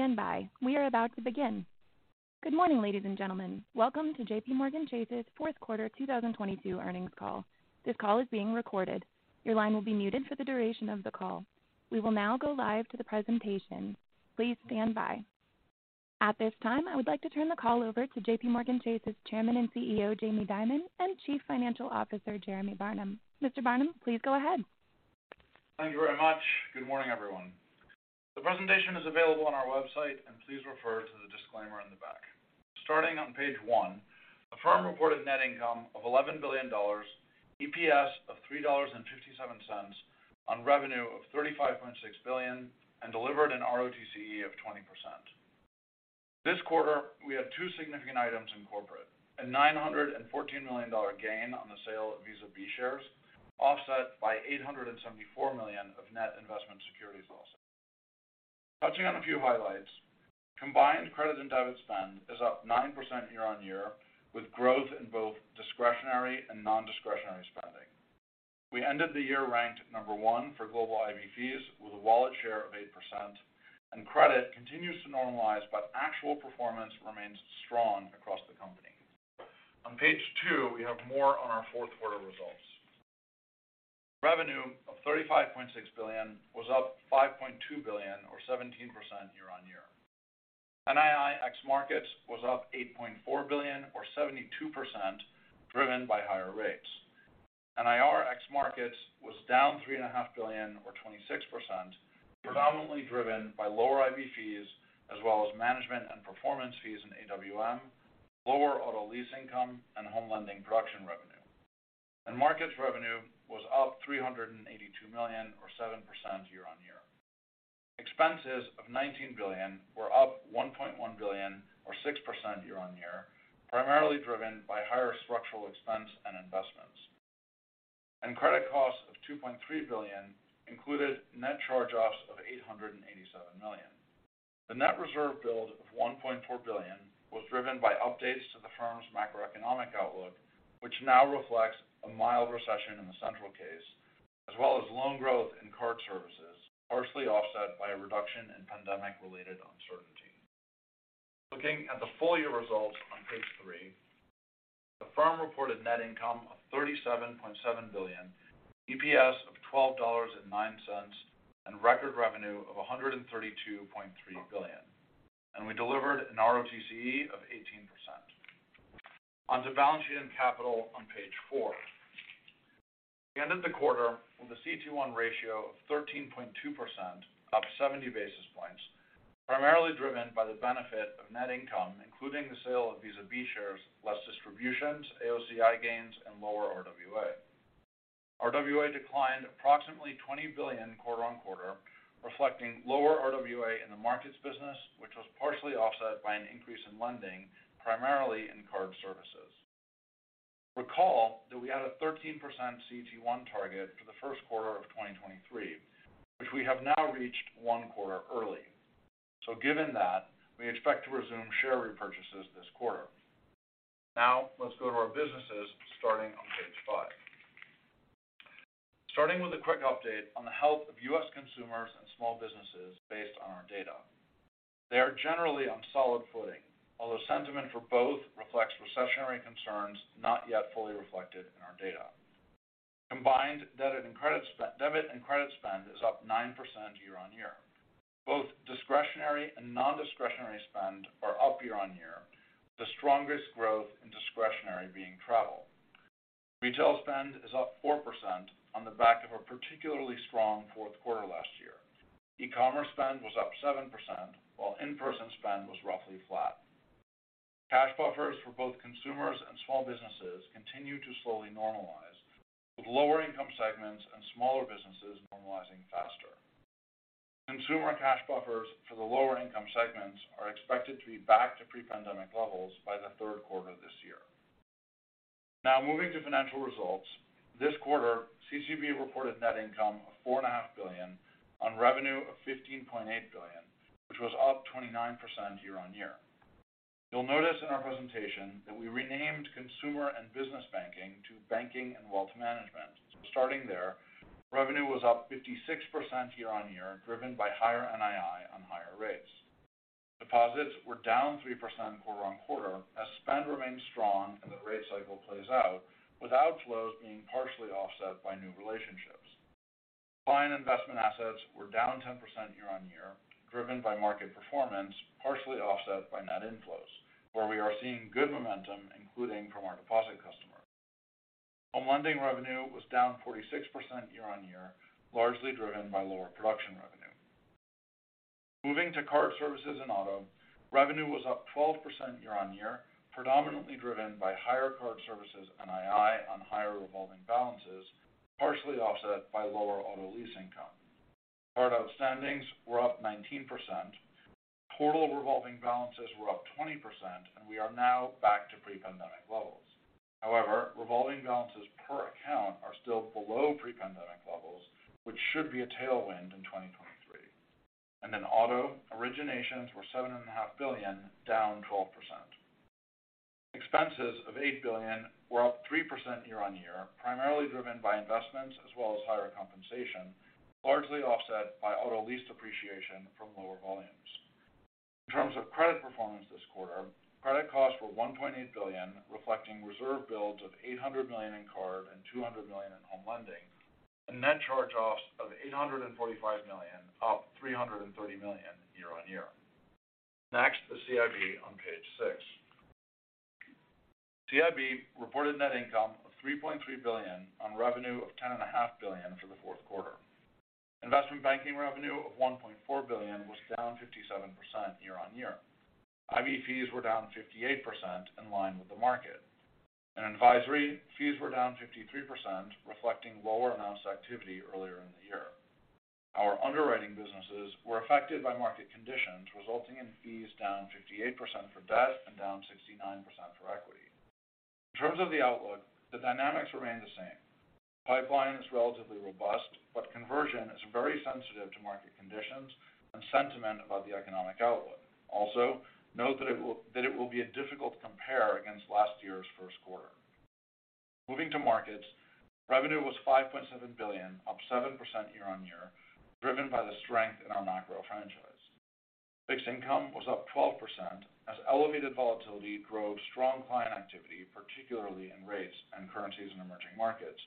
Please stand by. We are about to begin. Good morning, ladies and gentlemen. Welcome to JPMorgan Chase's fourth quarter 2022 earnings call. This call is being recorded. Your line will be muted for the duration of the call. We will now go live to the presentation. Please stand by. At this time, I would like to turn the call over to JPMorgan Chase's Chairman and CEO, Jamie Dimon, and Chief Financial Officer, Jeremy Barnum. Mr. Barnum, please go ahead. Thank you very much. Good morning, everyone. The presentation is available on our website. Please refer to the disclaimer on the back. Starting on page one, the firm reported net income of $11 billion, EPS of $3.57 on revenue of $35.6 billion, delivered an ROTCE of 20%. This quarter, we had two significant items in corporate, a $914 million gain on the sale of Visa B shares, offset by $874 million of net investment securities losses. Touching on a few highlights, combined credit and debit spend is up 9% year-on-year, with growth in both discretionary and non-discretionary spending. We ended the year ranked number one for global IB fees with a wallet share of 8%. Credit continues to normalize, actual performance remains strong across the company. On page two, we have more on our fourth quarter results. Revenue of $35.6 billion was up $5.2 billion or 17% year-on-year. NII ex markets was up $8.4 billion or 72%, driven by higher rates. NIR ex markets was down $3.5 billion or 26%, predominantly driven by lower IB fees as well as management and performance fees in AWM, lower auto lease income and home lending production revenue. Markets revenue was up $382 million or 7% year-on-year. Expenses of $19 billion were up $1.1 billion or 6% year-on-year, primarily driven by higher structural expense and investments. Credit costs of $2.3 billion included net charge-offs of $887 million. The net reserve build of $1.4 billion was driven by updates to the firm's macroeconomic outlook, which now reflects a mild recession in the central case, as well as loan growth in card services, partially offset by a reduction in pandemic-related uncertainty. Looking at the full year results on page 3, the firm reported net income of $37.7 billion, EPS of $12.09, and record revenue of $132.3 billion. We delivered an ROTCE of 18%. Onto balance sheet and capital on page 4. We ended the quarter with a CT1 ratio of 13.2%, up 70 basis points, primarily driven by the benefit of net income, including the sale of Visa B shares, less distributions, AOCI gains, and lower RWA. RWA declined approximately $20 billion quarter-over-quarter, reflecting lower RWA in the markets business, which was partially offset by an increase in lending, primarily in card services. Recall that we had a 13% CT1 target for the first quarter of 2023, which we have now reached one quarter early. Given that, we expect to resume share repurchases this quarter. Let's go to our businesses starting on page 5. Starting with a quick update on the health of U.S. consumers and small businesses based on our data. They are generally on solid footing, although sentiment for both reflects recessionary concerns not yet fully reflected in our data. Combined debit and credit spend is up 9% year-over-year. Both discretionary and non-discretionary spend are up year-over-year, with the strongest growth in discretionary being travel. Retail spend is up 4% on the back of a particularly strong fourth quarter last year. E-commerce spend was up 7%, while in-person spend was roughly flat. Cash buffers for both consumers and small businesses continue to slowly normalize, with lower income segments and smaller businesses normalizing faster. Consumer cash buffers for the lower income segments are expected to be back to pre-pandemic levels by the third quarter this year. Moving to financial results. This quarter, CCB reported net income of four and a half billion on revenue of $15.8 billion, which was up 29% year-on-year. You'll notice in our presentation that we renamed Consumer and Business Banking to Banking and Wealth Management. Starting there, revenue was up 56% year-on-year, driven by higher NII on higher rates. Deposits were down 3% quarter-on-quarter as spend remains strong and the rate cycle plays out, with outflows being partially offset by new relationships. Client investment assets were down 10% year-on-year, driven by market performance, partially offset by net inflows, where we are seeing good momentum, including from our deposit customers. Home lending revenue was down 46% year-on-year, largely driven by lower production revenue. Moving to card services and auto, revenue was up 12% year-on-year, predominantly driven by higher card services NII on higher revolving balances, partially offset by lower auto lease income. Card outstandings were up 19%. Total revolving balances were up 20%, and we are now back to pre-pandemic levels. However, revolving balances per account are still below pre-pandemic levels, which should be a tailwind in 2023. In auto, originations were $7.5 billion, down 12%. Expenses of $8 billion were up 3% year-on-year, primarily driven by investments as well as higher compensation, largely offset by auto lease depreciation from lower volumes. In terms of credit performance this quarter, credit costs were $1.8 billion, reflecting reserve builds of $800 million in CARD and $200 million in Home Lending, and net charge-offs of $845 million, up $330 million year-on-year. Next, the CIB on page 6. CIB reported net income of $3.3 billion on revenue of $10.5 billion for the fourth quarter. Investment banking revenue of $1.4 billion was down 57% year-on-year. IB fees were down 58% in line with the market. In advisory, fees were down 53%, reflecting lower announced activity earlier in the year. Our underwriting businesses were affected by market conditions, resulting in fees down 58% for debt and down 69% for equity. In terms of the outlook, the dynamics remain the same. Pipeline is relatively robust, conversion is very sensitive to market conditions and sentiment about the economic outlook. Note that it will be a difficult compare against last year's first quarter. Moving to markets, revenue was $5.7 billion, up 7% year-on-year, driven by the strength in our macro franchise. Fixed income was up 12% as elevated volatility drove strong client activity, particularly in rates and currencies in emerging markets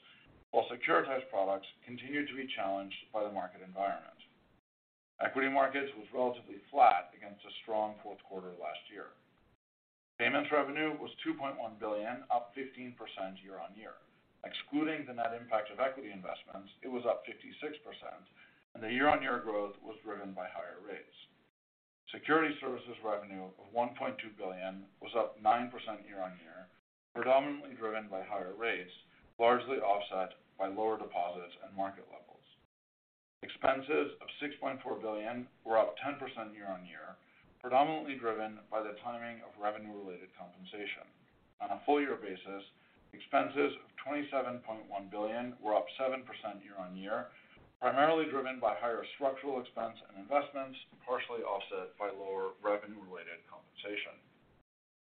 while securitized products continued to be challenged by the market environment. Equity markets was relatively flat against a strong fourth quarter last year. Payments revenue was $2.1 billion, up 15% year-on-year. Excluding the net impact of equity investments, it was up 56%, and the year-on-year growth was driven by higher rates. Security services revenue of $1.2 billion was up 9% year-on-year, predominantly driven by higher rates, largely offset by lower deposits and market levels. Expenses of $6.4 billion were up 10% year-on-year, predominantly driven by the timing of revenue-related compensation. On a full year basis, expenses of $27.1 billion were up 7% year-on-year, primarily driven by higher structural expense and investments, partially offset by lower revenue-related compensation.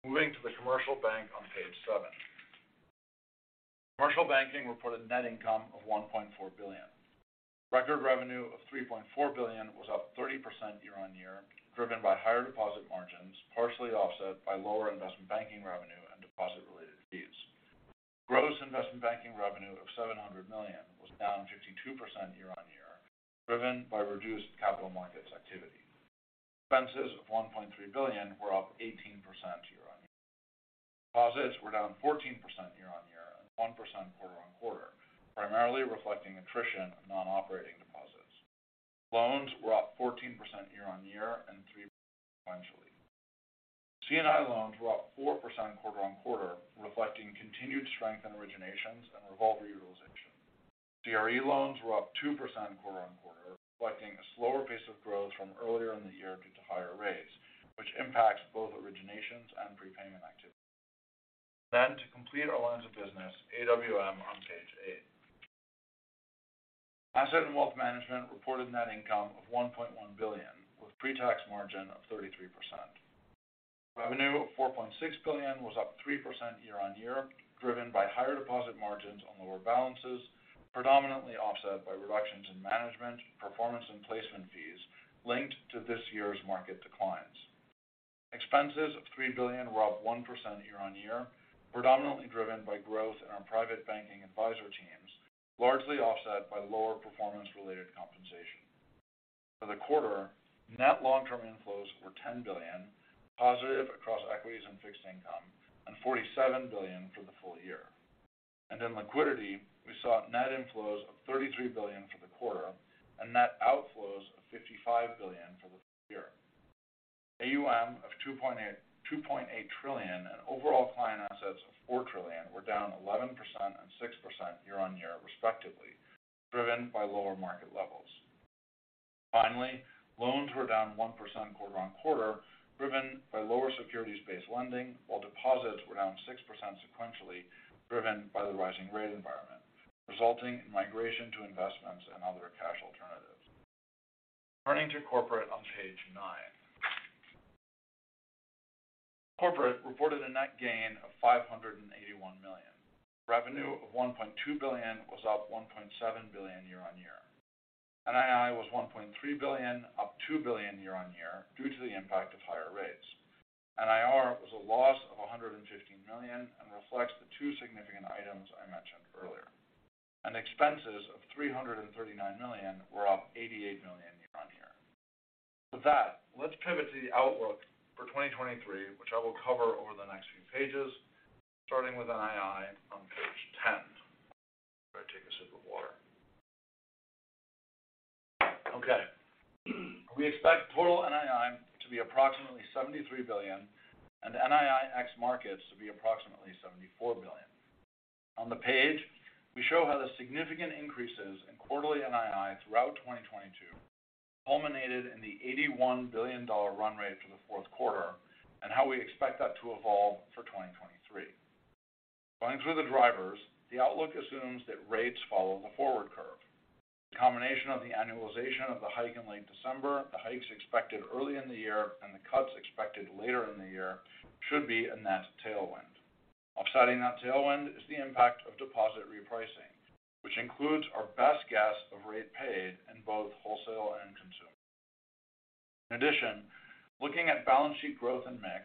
Moving to the commercial bank on page 7. Commercial banking reported net income of $1.4 billion. Record revenue of $3.4 billion was up 30% year-on-year, driven by higher deposit margins, partially offset by lower investment banking revenue and deposit related fees. Gross investment banking revenue of $700 million was down 52% year-on-year, driven by reduced capital markets activity. Expenses of $1.3 billion were up 18% year-on-year. Deposits were down 14% year-on-year, and 1% quarter-on-quarter, primarily reflecting attrition of non-operating deposits. Loans were up 14% year-on-year and 3% sequentially. C&I loans were up 4% quarter-on-quarter, reflecting continued strength in originations and revolver utilization. CRE loans were up 2% quarter-on-quarter, reflecting a slower pace of growth from earlier in the year due to higher rates, which impacts both originations and prepayment activity. To complete our lines of business, AWM on page 8. Asset & Wealth Management reported net income of $1.1 billion, with pre-tax margin of 33%. Revenue of $4.6 billion was up 3% year-on-year, driven by higher deposit margins on lower balances, predominantly offset by reductions in management, performance and placement fees linked to this year's market declines. Expenses of $3 billion were up 1% year-on-year, predominantly driven by growth in our private banking advisor teams, largely offset by lower performance-related compensation. For the quarter, net long-term inflows were $10 billion, positive across equities and fixed income, and $47 billion for the full year. In liquidity, we saw net inflows of $33 billion for the quarter and net outflows of $55 billion for the full year. AUM of $2.8 trillion and overall client assets of $4 trillion were down 11% and 6% year-over-year respectively, driven by lower market levels. Finally, loans were down 1% quarter-over-quarter, driven by lower securities-based lending, while deposits were down 6% sequentially, driven by the rising rate environment, resulting in migration to investments and other cash alternatives. Turning to corporate on page 9. Corporate reported a net gain of $581 million. Revenue of $1.2 billion was up $1.7 billion year-over-year. NII was $1.3 billion, up $2 billion year-over-year due to the impact of higher rates. NIR was a loss of $115 million and reflects the 2 significant items I mentioned earlier. Expenses of $339 million were up $88 million year-over-year. With that, let's pivot to the outlook for 2023, which I will cover over the next few pages, starting with NII on page 10. I'm going to take a sip of water. Okay. We expect total NII to be approximately $73 billion and NII ex markets to be approximately $74 billion. On the page, we show how the significant increases in quarterly NII throughout 2022 culminated in the $81 billion run rate for the fourth quarter, and how we expect that to evolve for 2023. Going through the drivers, the outlook assumes that rates follow the forward curve. The combination of the annualization of the hike in late December, the hikes expected early in the year, and the cuts expected later in the year should be a net tailwind. Offsetting that tailwind is the impact of deposit repricing, which includes our best guess of rate paid in both wholesale and consumer. Looking at balance sheet growth and mix,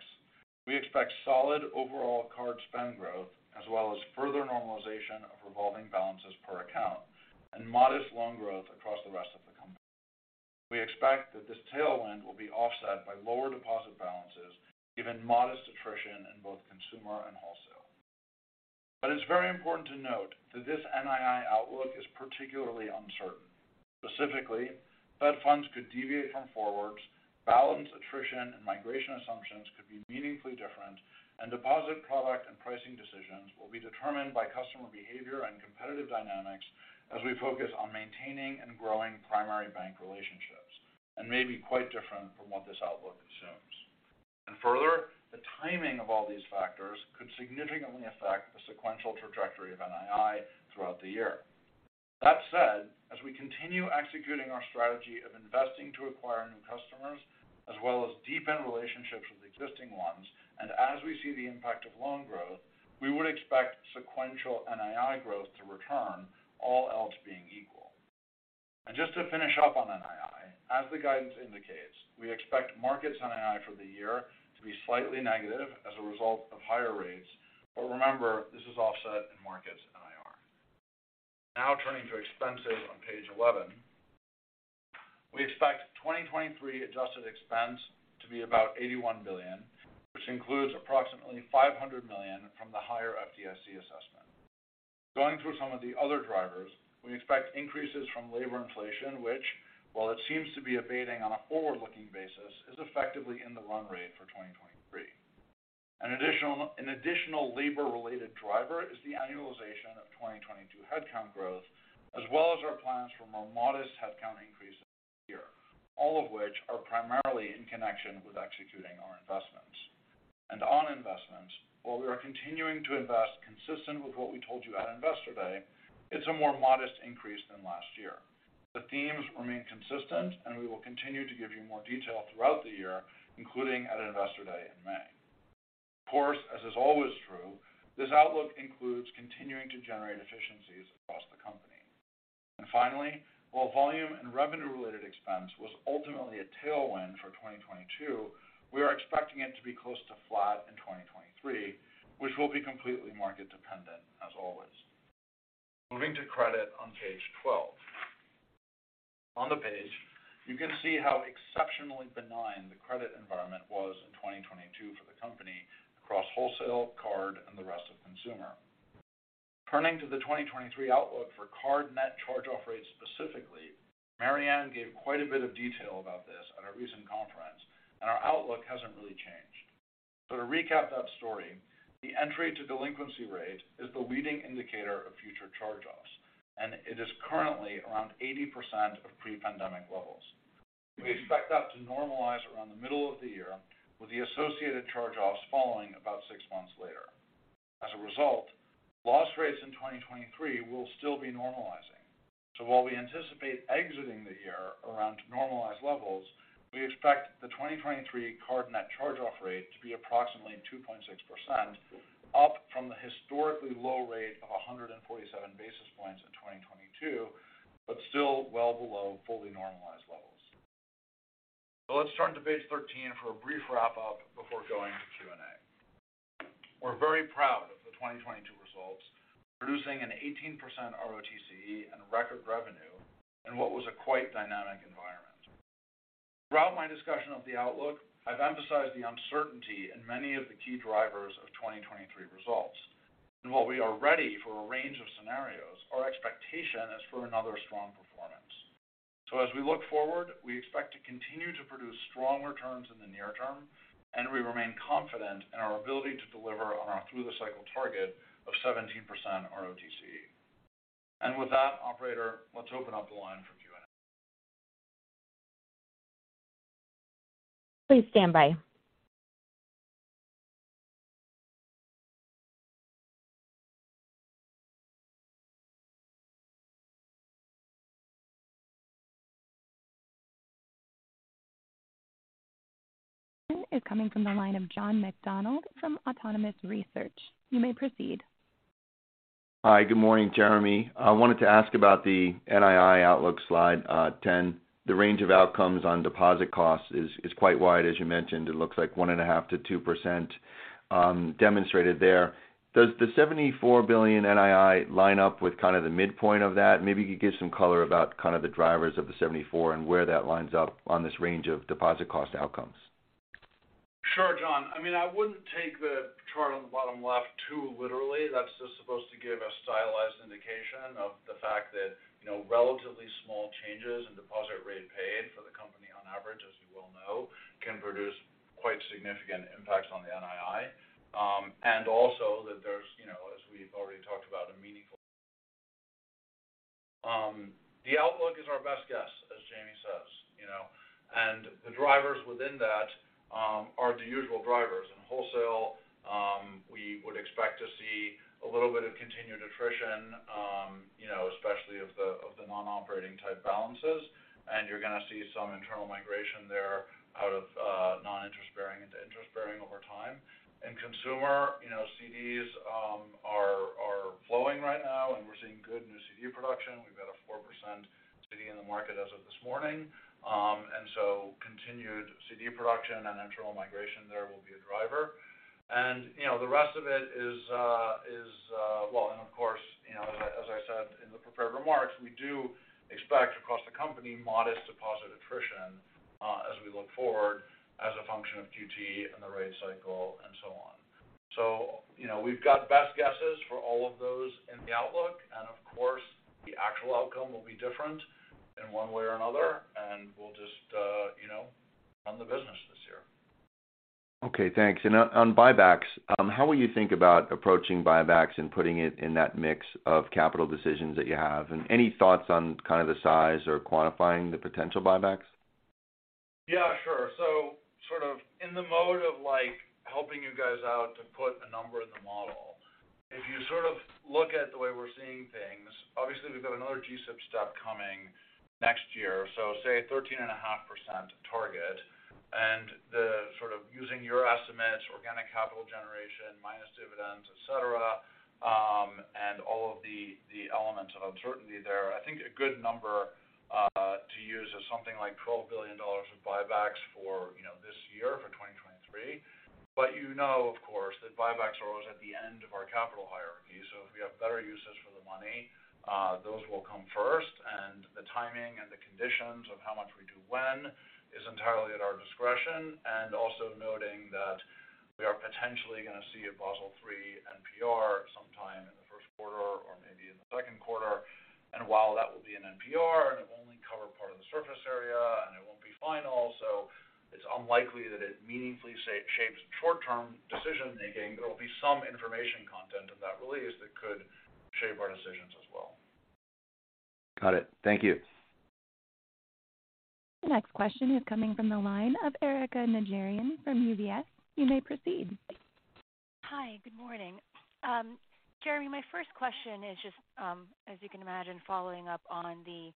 we expect solid overall card spend growth, as well as further normalization of revolving balances per account and modest loan growth across the rest of the company. We expect that this tailwind will be offset by lower deposit balances, given modest attrition in both consumer and wholesale. It's very important to note that this NII outlook is particularly uncertain. Specifically, Fed funds could deviate from forwards, balance attrition and migration assumptions could be meaningfully different, and deposit product and pricing decisions will be determined by customer behavior and competitive dynamics as we focus on maintaining and growing primary bank relationships, and may be quite different from what this outlook assumes. Further, the timing of all these factors could significantly affect the sequential trajectory of NII throughout the year. That said, as we continue executing our strategy of investing to acquire new customers, as well as deepen relationships with existing ones, and as we see the impact of loan growth, we would expect sequential NII growth to return, all else being equal. Just to finish up on NII, as the guidance indicates, we expect markets NII for the year to be slightly negative as a result of higher rates. Remember, this is offset in markets NIR. Turning to expenses on page 11. We expect 2023 adjusted expense to be about $81 billion, which includes approximately $500 million from the higher FDIC assessment. Going through some of the other drivers, we expect increases from labor inflation, which while it seems to be abating on a forward-looking basis, is effectively in the run rate for 2023. An additional labor-related driver is the annualization of 2022 headcount growth, as well as our plans for more modest headcount increases this year, all of which are primarily in connection with executing our investments. On investments, while we are continuing to invest consistent with what we told you at Investor Day, it's a more modest increase than last year. The themes remain consistent. We will continue to give you more detail throughout the year, including at Investor Day in May. Of course, as is always true, this outlook includes continuing to generate efficiencies across the company. Finally, while volume and revenue-related expense was ultimately a tailwind for 2022, we are expecting it to be close to flat in 2023, which will be completely market dependent as always. Moving to credit on page 12. On the page, you can see how exceptionally benign the credit environment was in 2022 for the company across wholesale card and the rest of consumer. Turning to the 2023 outlook for card net charge-off rate specifically, Marianne gave quite a bit of detail about this at our recent conference, our outlook hasn't really changed. To recap that story, the entry to delinquency rate is the leading indicator of future charge-offs, and it is currently around 80% of pre-pandemic levels. We expect that to normalize around the middle of the year, with the associated charge-offs following about 6 months later. As a result, loss rates in 2023 will still be normalizing. While we anticipate exiting the year around normalized levels, we expect the 2023 card net charge-off rate to be approximately 2.6%, up from the historically low rate of 147 basis points in 2022, but still well below fully normalized levels. Let's turn to page 13 for a brief wrap-up before going to Q&A. We're very proud of the 2022 results, producing an 18% ROTCE and a record revenue in what was a quite dynamic environment. Throughout my discussion of the outlook, I've emphasized the uncertainty in many of the key drivers of 2023 results. While we are ready for a range of scenarios, our expectation is for another strong performance. As we look forward, we expect to continue to produce stronger returns in the near term, we remain confident in our ability to deliver on our through the cycle target of 17% ROTCE. With that, operator, let's open up the line for Q&A. Please stand by. Is coming from the line of John McDonald from Autonomous Research. You may proceed. Hi. Good morning, Jeremy. I wanted to ask about the NII outlook, slide, 10. The range of outcomes on deposit costs is quite wide, as you mentioned. It looks like 1.5%-2%, demonstrated there. Does the $74 billion NII line up with kind of the midpoint of that? Maybe you could give some color about kind of the drivers of the $74 billion and where that lines up on this range of deposit cost outcomes. Sure, John. I mean, I wouldn't take the chart on the bottom left too literally. That's just supposed to give a stylized indication of the fact that, you know, relatively small changes in deposit rate paid for the company on average, as you well know, can produce quite significant impacts on the NII. And also that there's, you know, as we've already talked about, the outlook is our best guess, as Jamie says, you know. The drivers within that are the usual drivers. In wholesale, we would expect to see a little bit of continued attrition, you know, especially of the, of the non-operating type balances. You're going to see some internal migration there out of non-interest-bearing into interest-bearing over time. In consumer, you know, CDs are flowing right now, and we're seeing good new CD production. We've got a 4% CD in the market as of this morning. Continued CD production and internal migration there will be a driver. You know, Well, of course, you know, as I said in the prepared remarks, we do expect across the company modest deposit attrition as we look forward as a function of QT and the rate cycle and so on. You know, we've got best guesses for all of those in the outlook. Of course, the actual outcome will be different in one way or another, and we'll just, you know, run the business this year. Okay, thanks. On buybacks, how will you think about approaching buybacks and putting it in that mix of capital decisions that you have? Any thoughts on kind of the size or quantifying the potential buybacks? Yeah, sure. Sort of in the mode of like helping you guys out to put a number in the model. If you sort of look at the way we're seeing things, obviously we've got another GSIB step coming next year, say 13.5% target. The sort of using your estimates, organic capital generation minus dividends, et cetera, and all of the elements of uncertainty there, I think a good number to use is something like $12 billion of buybacks for, you know, this year for 2023. You know, of course, that buybacks are always at the end of our capital hierarchy. If we have better uses for the money, those will come first. The timing and the conditions of how much we do when is entirely at our discretion. Also noting that we are potentially going to see a Basel III NPR sometime in the first quarter or maybe in the second quarter. While that will be an NPR and it'll only cover part of the surface area and it won't be final, so it's unlikely that it meaningfully say, shapes short-term decision making. There will be some information content in that release that could shape our decisions as well. Got it. Thank you. The next question is coming from the line of Erika Najarian from UBS. You may proceed. Hi. Good morning. Jeremy, my first question is just, as you can imagine, following up on the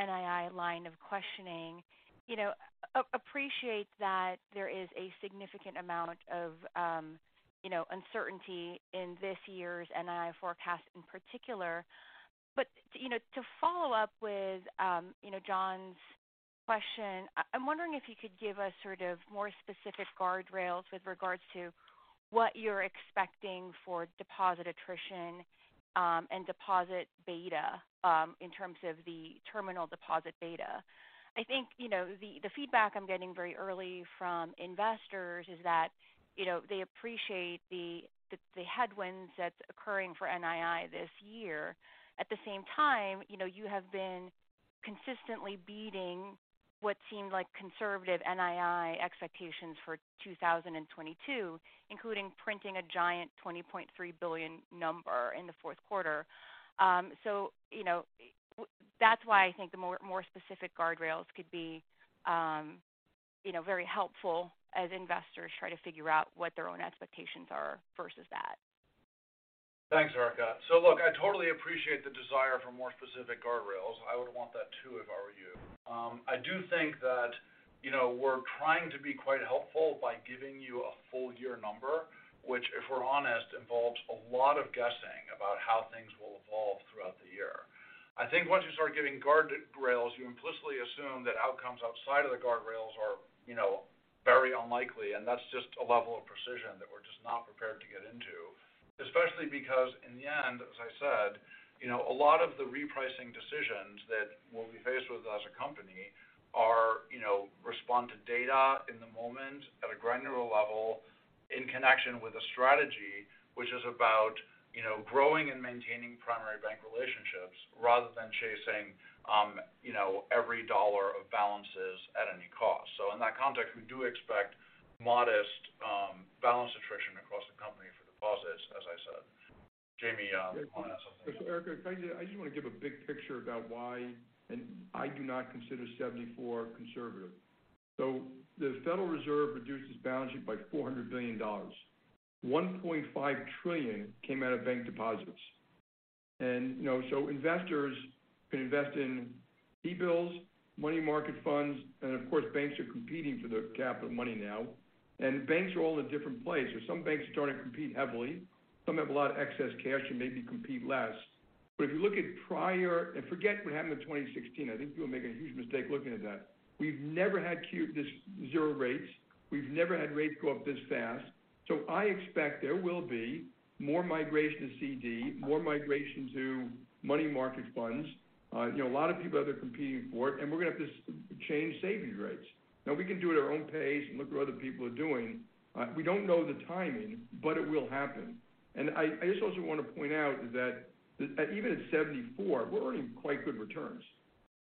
NII line of questioning. You know, appreciate that there is a significant amount of, you know, uncertainty in this year's NII forecast in particular. You know, to follow up with, you know, John's question, I'm wondering if you could give us sort of more specific guardrails with regards to what you're expecting for deposit attrition, and deposit beta, in terms of the terminal deposit beta. I think, you know, the feedback I'm getting very early from investors is that, you know, they appreciate the, the headwinds that's occurring for NII this year. At the same time, you know, you have been consistently beating what seemed like conservative NII expectations for 2022, including printing a giant $20.3 billion number in the fourth quarter. That's why I think the more, more specific guardrails could be, you know, very helpful as investors try to figure out what their own expectations are versus that. Thanks, Erika. Look, I totally appreciate the desire for more specific guardrails. I would want that too if I were you. I do think that, you know, we're trying to be quite helpful by giving you a full year number, which, if we're honest, involves a lot of guessing about how things will evolve throughout the year. I think once you start giving guardrails, you implicitly assume that outcomes outside of the guardrails are, you know, very unlikely, and that's just a level of precision that we're just not prepared to get into. Especially because in the end, as I said, you know, a lot of the repricing decisions that we'll be faced with as a company are, you know, respond to data in the moment at a granular level in connection with a strategy which is about, you know, growing and maintaining primary bank relationships rather than chasing, you know, every dollar of balances at any cost. In that context, we do expect modest balance attrition across the company for deposits, as I said. Jamie, you want to add something? Erika, I just want to give a big picture about why. And I do not consider 74 conservative. The Federal Reserve reduced its balance sheet by $400 billion. $1.5 trillion came out of bank deposits. You know, investors can invest in T-bills, money market funds, and of course, banks are competing for the capital money now. Banks are all in a different place. There's some banks starting to compete heavily. Some have a lot of excess cash and maybe compete less. If you look at prior and forget what happened in 2016, I think people make a huge mistake looking at that. We've never had this zero rates. We've never had rates go up this fast. I expect there will be more migration to CD, more migration to money market funds. You know, a lot of people out there competing for it, we're going to have to change savings rates. Now we can do it at our own pace and look at what other people are doing. We don't know the timing, but it will happen. I just also want to point out is that even at 74, we're earning quite good returns.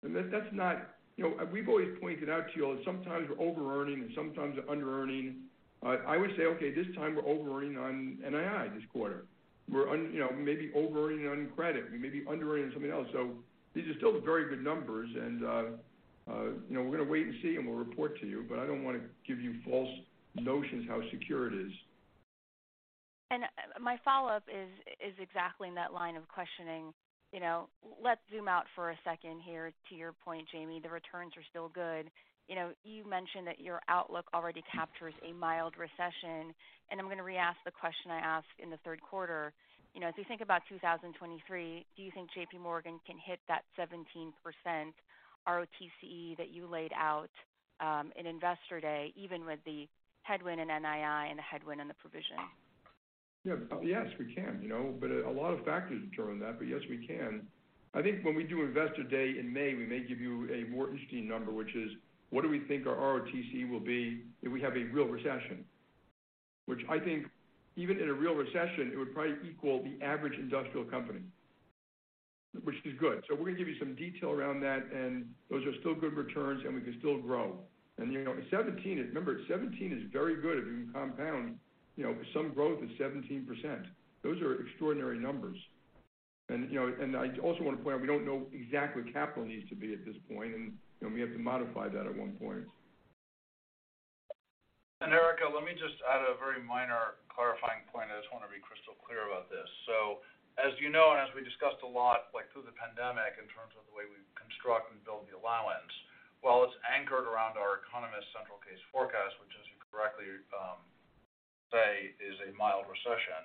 That's not-- You know, we've always pointed out to you all that sometimes we're overearning and sometimes we're underearning. I would say, okay, this time we're overearning on NII this quarter. We're, you know, maybe overearning on credit. We may be underearning on something else. These are still very good numbers. You know, we're gonna wait and see, and we'll report to you, but I don't wanna give you false notions how secure it is. My follow-up is exactly in that line of questioning. You know, let's zoom out for a second here to your point, Jamie. The returns are still good. You know, you mentioned that your outlook already captures a mild recession, and I'm gonna re-ask the question I asked in the third quarter. You know, as we think about 2023, do you think JPMorgan can hit that 17% ROTCE that you laid out in Investor Day, even with the headwind in NII and the headwind in the provision? Yeah. Yes, we can, you know. A lot of factors determine that, but yes, we can. I think when we do Investor Day in May, we may give you a more interesting number, which is what do we think our ROTCE will be if we have a real recession? Which I think even in a real recession, it would probably equal the average industrial company, which is good. We're gonna give you some detail around that, and those are still good returns, and we can still grow. You know, remember, 17 is very good if you can compound, you know, some growth at 17%. Those are extraordinary numbers. You know, and I also want to point out we don't know exactly where capital needs to be at this point, and, you know, we have to modify that at one point. Erika, let me just add a very minor clarifying point. I just wanna be crystal clear about this. As you know, and as we discussed a lot, like, through the pandemic in terms of the way we construct and build the allowance, while it's anchored around our economist central case forecast, which, as you correctly say, is a mild recession,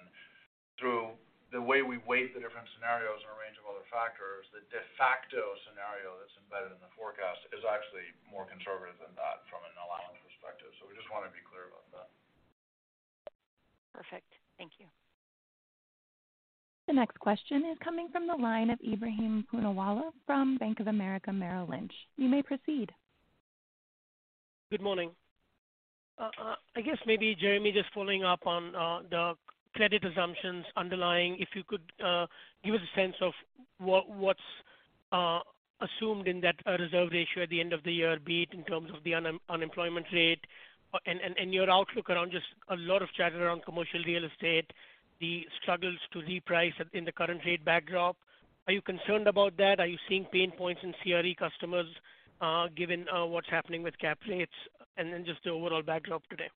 through the way we weight the different scenarios and a range of other factors, the de facto scenario that's embedded in the forecast is actually more conservative than that from an allowance perspective. We just wanna be clear about that. Perfect. Thank you. The next question is coming from the line of Ebrahim Poonawala from Bank of America Merrill Lynch. You may proceed. Good morning. I guess maybe, Jeremy, just following up on the credit assumptions underlying, if you could give us a sense of what's assumed in that reserve ratio at the end of the year, be it in terms of the unemployment rate. Your outlook around just a lot of chatter around commercial real estate, the struggles to reprice in the current rate backdrop. Are you concerned about that? Are you seeing pain points in CRE customers, given what's happening with cap rates and then just the overall backdrop today?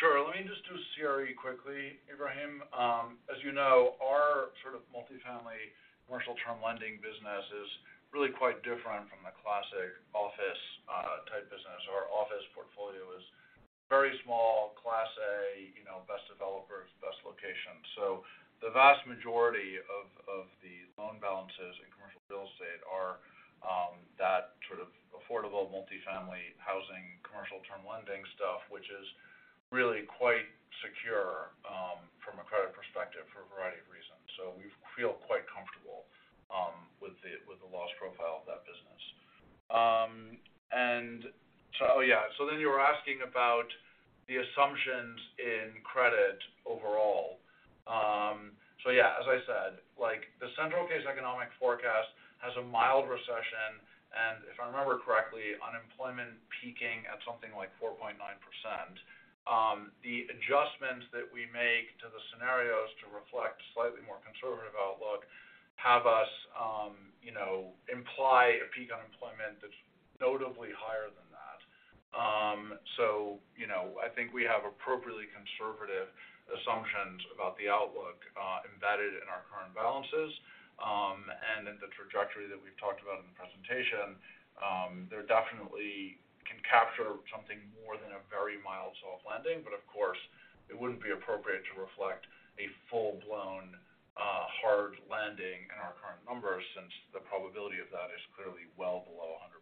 Sure. Let me just do CRE quickly, Ebrahim. As you know, our sort of multifamily commercial term lending business is really quite different from the classic office type business. Our office portfolio is very small, class A, you know, best developers, best locations. The vast majority of the loan balances in commercial real estate are that sort of affordable multifamily housing, commercial term lending stuff, which is really quite secure from a credit perspective for a variety of reasons. We feel quite comfortable with the, with the loss profile of that business. Oh, yeah. You were asking about the assumptions in credit overall. Yeah, as I said, like, the central case economic forecast has a mild recession, and if I remember correctly, unemployment peaking at something like 4.9%. The adjustments that we make to the scenarios to reflect a slightly more conservative outlook have us, you know, imply a peak unemployment that's notably higher than that. You know, I think we have appropriately conservative assumptions about the outlook, embedded in our current balances. In the trajectory that we've talked about in the presentation, they're definitely can capture something more than a very mild soft landing. Of course, it wouldn't be appropriate to reflect a full-blown, hard landing in our current numbers since the probability of that is clearly well below 100%.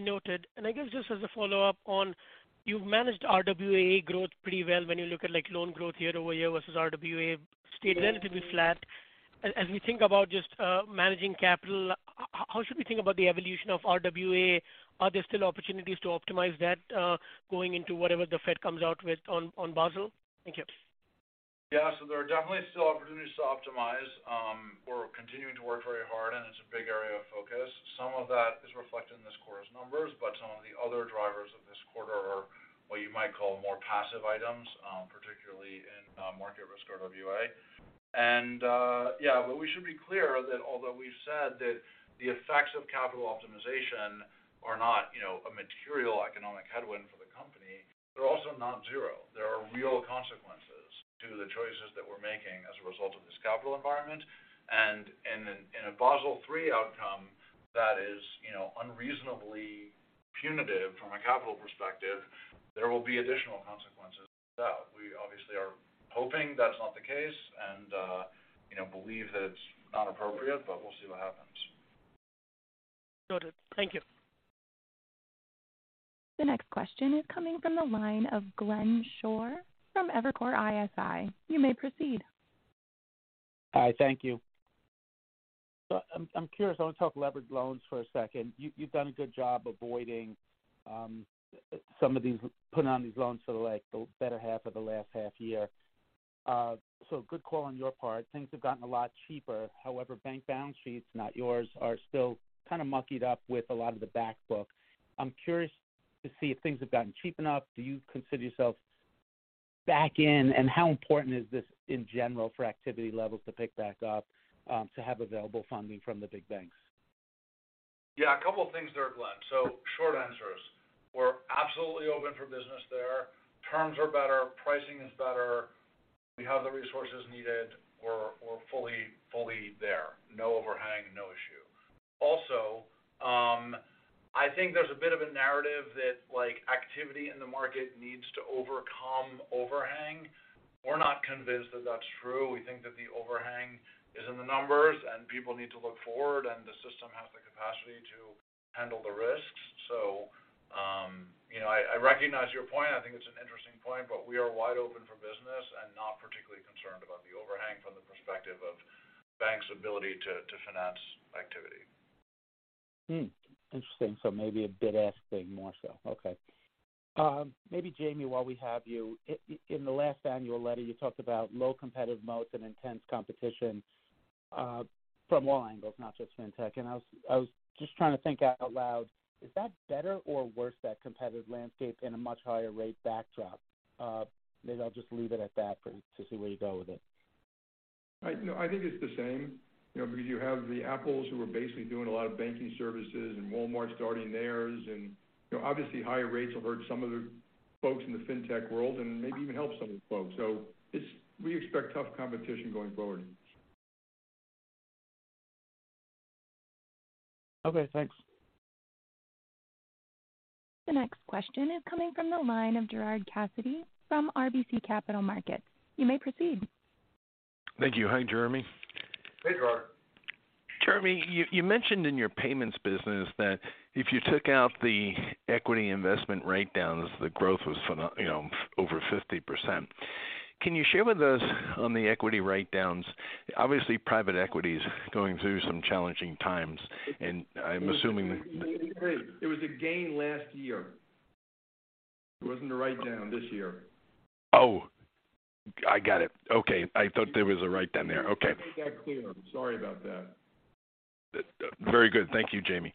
Noted. I guess just as a follow-up on, you've managed RWA growth pretty well when you look at, like, loan growth year-over-year versus RWA stayed relatively flat. As we think about just managing capital, how should we think about the evolution of RWA? Are there still opportunities to optimize that going into whatever the Fed comes out with on Basel? Thank you. There are definitely still opportunities to optimize. We're continuing to work very hard, and it's a big area of focus. Some of that is reflected in this quarter's numbers, but some of the other drivers of this quarter are what you might call more passive items, particularly in market risk RWA. We should be clear that although we've said that the effects of capital optimization are not, you know, a material economic headwind for the company, they're also not zero. There are real consequences to the choices that we're making as a result of this capital environment. In a Basel III outcome that is, you know, unreasonably punitive from a capital perspective, there will be additional consequences for that. We obviously are hoping that's not the case and, you know, believe that it's not appropriate, but we'll see what happens. Noted. Thank you. The next question is coming from the line of Glenn Schorr from Evercore ISI. You may proceed. Hi. Thank you. I'm curious, I wanna talk leveraged loans for a second. You've done a good job avoiding, putting on these loans for, like, the better half of the last half year. Good call on your part. Things have gotten a lot cheaper. However, bank balance sheets, not yours, are still kind of muckied up with a lot of the back book. I'm curious to see if things have gotten cheap enough. Do you consider yourself back in? How important is this in general for activity levels to pick back up, to have available funding from the big banks? Yeah, a couple of things there, Glenn. Short answers. We're absolutely open for business there. Terms are better, pricing is better. We have the resources needed. We're fully there. No overhang, no issue. Also, I think there's a bit of a narrative that like, activity in the market needs to overcome overhang. We're not convinced that that's true. We think that the overhang is in the numbers, and people need to look forward, and the system has the capacity to handle the risks. You know, I recognize your point. I think it's an interesting point, but we are wide open for business and not particularly concerned about the overhang from the perspective of banks' ability to finance activity. Interesting. Maybe a bit asking more so. Okay. Maybe Jamie, while we have you. In the last annual letter, you talked about low competitive moats and intense competition from all angles, not just Fintech. I was just trying to think out loud, is that better or worse, that competitive landscape in a much higher rate backdrop? Maybe I'll just leave it at that for to see where you go with it. I, no. I think it's the same. You know, because you have the Apples who are basically doing a lot of banking services and Walmart starting theirs, and obviously, higher rates will hurt some of the folks in the Fintech world and maybe even help some of the folks. We expect tough competition going forward. Okay, thanks. The next question is coming from the line of Gerard Cassidy from RBC Capital Markets. You may proceed. Thank you. Hi, Jeremy. Hey, Gerard. Jeremy, you mentioned in your payments business that if you took out the equity investment writedowns, the growth was you know, over 50%. Can you share with us on the equity writedowns? Obviously, private equity is going through some challenging times, and I'm assuming. It was a gain last year. It wasn't a writedown this year. Oh, I got it. Okay. I thought there was a writedown there. Okay. I didn't make that clear. Sorry about that. Very good. Thank you, Jamie.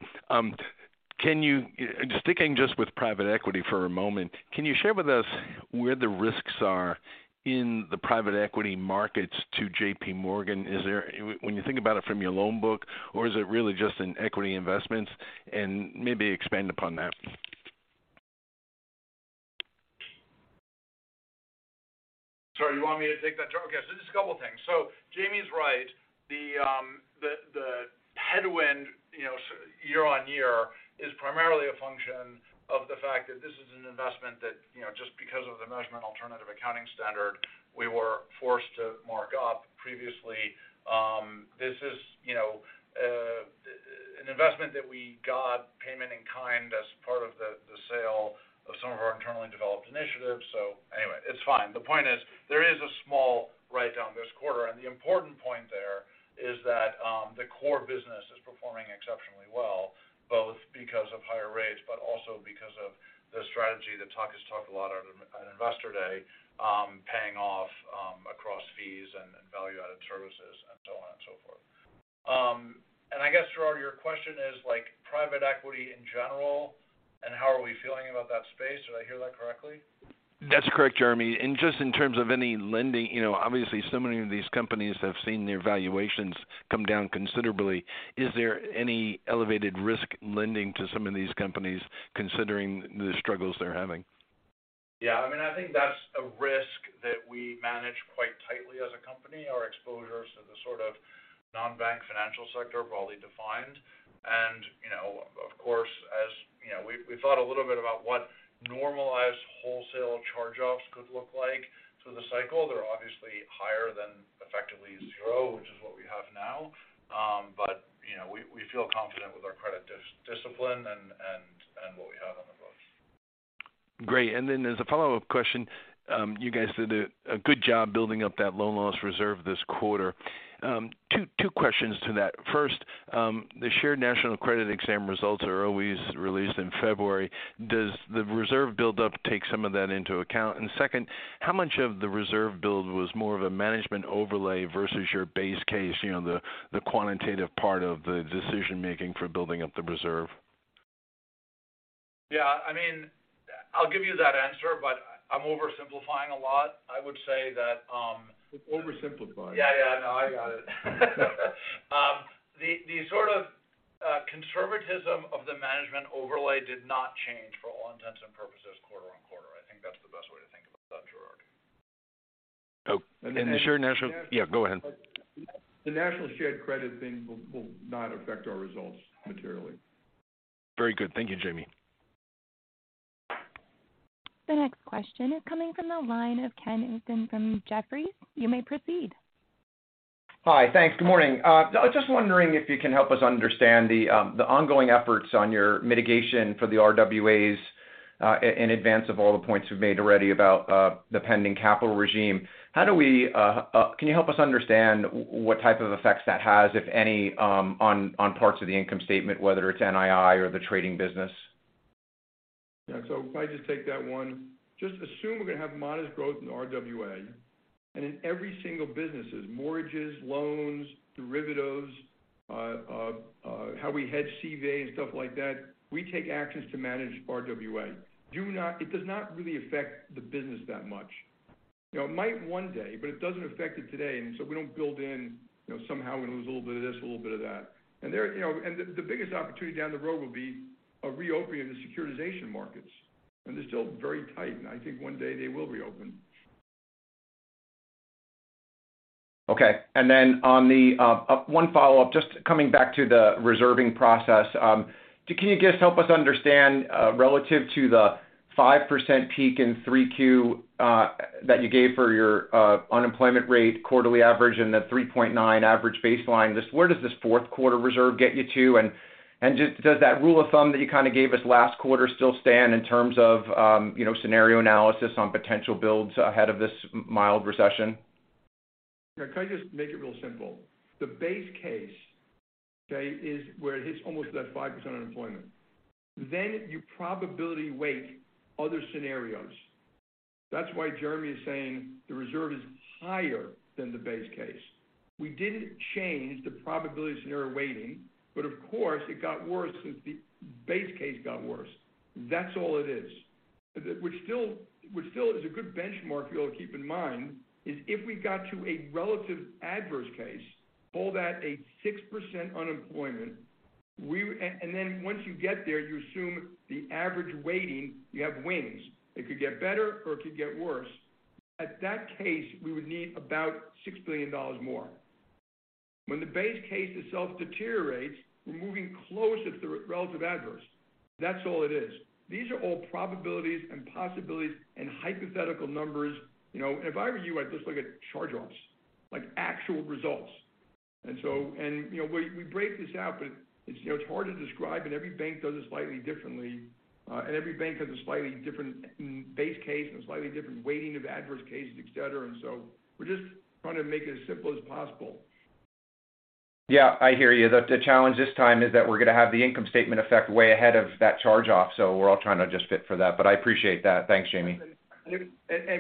Sticking just with private equity for a moment, can you share with us where the risks are in the private equity markets to JPMorgan? When you think about it from your loan book, or is it really just in equity investments? Maybe expand upon that. Sorry, you want me to take that, Gerard? Okay. Just a couple of things. Jamie's right. The, the headwind, you know, year-over-year is primarily a function of the fact that this is an investment that, you know, just because of the measurement alternative accounting standard, we were forced to mark up previously. This is, you know, an investment that we got payment in kind as part of the sale of some of our internally developed initiatives. Anyway, it's fine. The point is there is a small writedown this quarter, and the important point there is that, the core business is performing exceptionally well, both because of higher rates, but also because of the strategy that Tuck has talked a lot at Investor Day, paying off, across fees and value-added services and so on and so forth. I guess, Gerard, your question is like private equity in general and how are we feeling about that space? Did I hear that correctly? That's correct, Jeremy. Just in terms of any lending, you know, obviously so many of these companies have seen their valuations come down considerably. Is there any elevated risk lending to some of these companies, considering the struggles they're having? Yeah. I mean, I think that's a risk that we manage quite tightly as a company. Our exposure to the sort of non-bank financial sector are broadly defined. You know, of course, as you know, we've thought a little bit about what normalized wholesale charge-offs could look like through the cycle. They're obviously higher than effectively zero, which is what we have now. You know, we feel confident with our credit discipline and what we have on the books. Great. As a follow-up question, you guys did a good job building up that loan loss reserve this quarter. Two questions to that. First, the Shared National Credit Program results are always released in February. Does the reserve buildup take some of that into account? Second, how much of the reserve build was more of a management overlay versus your base case, you know, the quantitative part of the decision-making for building up the reserve? Yeah, I mean, I'll give you that answer, I'm oversimplifying a lot. I would say that. Oversimplifying. Yeah, yeah, no, I got it. The sort of conservatism of the management overlay did not change for all intents and purposes quarter on quarter. I think that's the best way to think about that, Gerard. Oh, Shared National- And the national- Yeah, go ahead. The national shared credit thing will not affect our results materially. Very good. Thank you, Jamie. The next question is coming from the line of Ken Usdin from Jefferies. You may proceed. Hi. Thanks. Good morning. I was just wondering if you can help us understand the ongoing efforts on your mitigation for the RWAs in advance of all the points we've made already about the pending capital regime. How do we? Can you help us understand what type of effects that has, if any, on parts of the income statement, whether it's NII or the trading business? If I just take that one, just assume we're going to have modest growth in RWA. In every single businesses, mortgages, loans, derivatives, how we hedge CVAs and stuff like that, we take actions to manage RWA. It does not really affect the business that much. You know, it might one day, but it doesn't affect it today, and so we don't build in, you know, somehow we lose a little bit of this, a little bit of that. The biggest opportunity down the road will be a reopening of the securitization markets. They're still very tight, and I think one day they will reopen. Okay. Then on the one follow-up, just coming back to the reserving process. Can you just help us understand relative to the 5% peak in 3Q that you gave for your unemployment rate quarterly average and the 3.9 average baseline, just where does this 4Q reserve get you to? Just does that rule of thumb that you kind of gave us last quarter still stand in terms of, you know, scenario analysis on potential builds ahead of this mild recession? Can I just make it real simple? The base case, okay, is where it hits almost that 5% unemployment. You probability weight other scenarios. That's why Jeremy is saying the reserve is higher than the base case. We didn't change the probability scenario weighting, of course, it got worse since the base case got worse. That's all it is. Which still is a good benchmark if you'll keep in mind, is if we got to a relative adverse case, call that a 6% unemployment, and then once you get there, you assume the average weighting, you have wings. It could get better or it could get worse. At that case, we would need about $6 billion more. When the base case itself deteriorates, we're moving closer to relative adverse. That's all it is. These are all probabilities, possibilities, hypothetical numbers, you know. If I were you, I'd just look at charge-offs, like actual results. You know, we break this out, but it's, you know, it's hard to describe, every bank does it slightly differently. Every bank has a slightly different base case and a slightly different weighting of adverse cases, et cetera. We're just trying to make it as simple as possible. Yeah, I hear you. The challenge this time is that we're going to have the income statement effect way ahead of that charge-off. We're all trying to adjust fit for that. I appreciate that. Thanks, Jamie.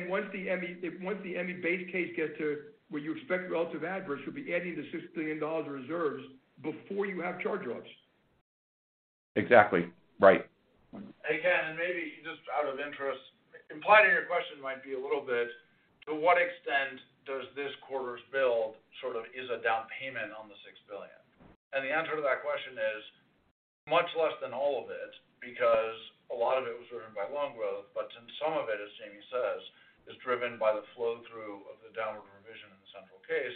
Once the ME base case gets to where you expect relative adverse, you'll be adding the $6 billion reserves before you have charge-offs. Exactly. Right. Hey, Ken, maybe just out of interest, implied in your question might be a little bit to what extent does this quarter's build sort of is a down payment on the $6 billion? The answer to that question is much less than all of it because a lot of it was driven by loan growth, some of it, as Jamie says, is driven by the flow-through of the downward revision in the central case.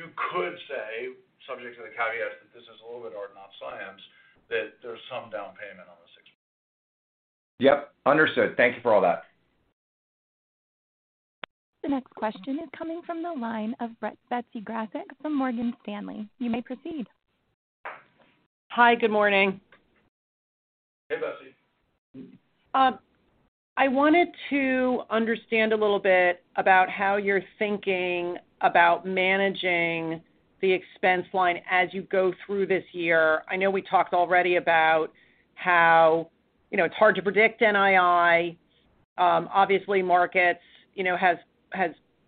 You could say, subject to the caveat that this is a little bit art, not science, that there's some down payment on the $6 billion. Yep. Understood. Thank you for all that. The next question is coming from the line of Betsy Graseck from Morgan Stanley. You may proceed. Hi, good morning. Hey, Betsy. I wanted to understand a little bit about how you're thinking about managing the expense line as you go through this year. I know we talked already about how, you know, it's hard to predict NII. obviously markets, you know, has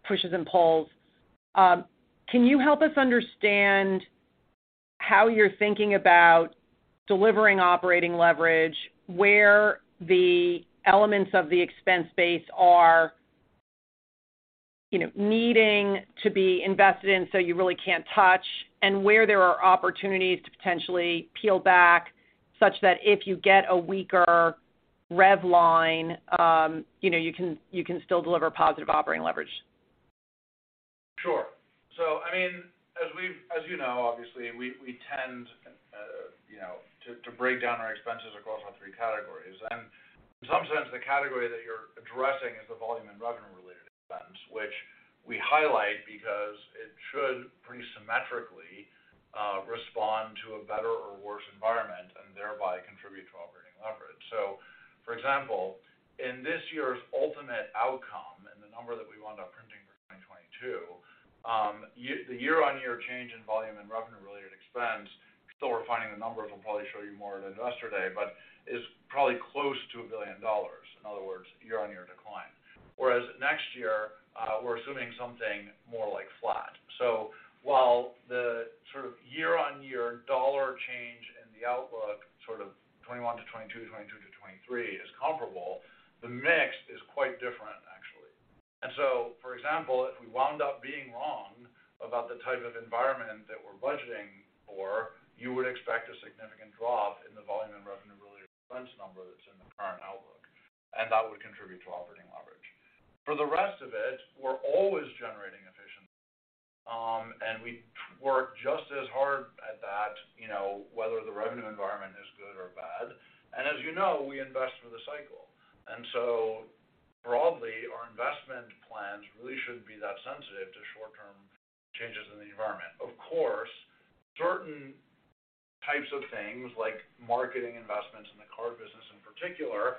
pushes and pulls. can you help us understand how you're thinking about delivering operating leverage, where the elements of the expense base are, you know, needing to be invested in, so you really can't touch, and where there are opportunities to potentially peel back such that if you get a weaker rev line, you know, you can still deliver positive operating leverage? Sure. I mean, as you know, obviously, we tend, you know, to break down our expenses across our three categories. In some sense, the category that you're addressing is the volume and revenue-related expense, which we highlight because it should pretty symmetrically respond to a better or worse environment and thereby contribute to operating leverage. For example, in this year's ultimate outcome and the number that we wound up printing for 2022, the year-on-year change in volume and revenue-related expense, still refining the numbers, we'll probably show you more at Investor Day, but is probably close to $1 billion, in other words, year-on-year decline. Next year, we're assuming something more like flat. While the year-on-year dollar change in the outlook 2021-2022, 2022-2023 is comparable, the mix is quite different actually. For example, if we wound up being wrong about the type of environment that we're budgeting for, you would expect a significant drop in the volume and revenue-related expense number that's in the current outlook, and that would contribute to operating leverage. For the rest of it, we're always generating efficiency. We work just as hard at that, you know, whether the revenue environment is good or bad. As you know, we invest for the cycle. Broadly, our investment plans really shouldn't be that sensitive to short-term changes in the environment. Of course, certain types of things like marketing investments in the card business in particular,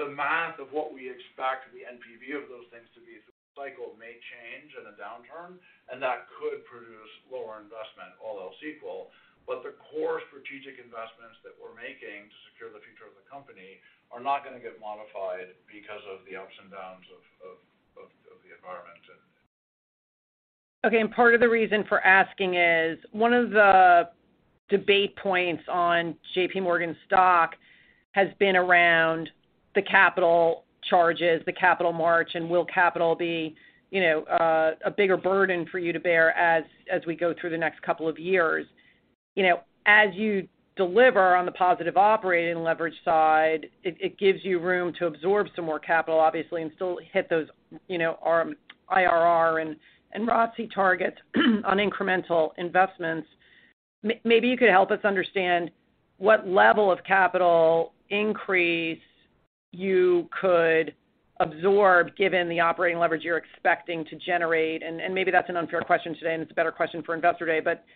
the math of what we expect the NPV of those things to be through the cycle may change in a downturn, and that could produce lower investment all else equal. The core strategic investments that we're making to secure the future of the company are not going to get modified because of the ups and downs of. Okay. Part of the reason for asking is one of the debate points on JPMorgan's stock has been around the capital charges, the capital march, and will capital be, you know, a bigger burden for you to bear as we go through the next couple of years. You know, as you deliver on the positive operating leverage side, it gives you room to absorb some more capital, obviously, and still hit those, you know, IRR and ROTCE targets on incremental investments. Maybe you could help us understand what level of capital increase you could absorb given the operating leverage you're expecting to generate. Maybe that's an unfair question today, and it's a better question for Investor Day, but, you know,